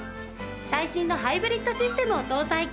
最新のハイブリッドシステムを搭載。